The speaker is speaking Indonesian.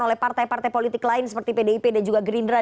oleh partai partai politik lain seperti pdip dan juga gerindra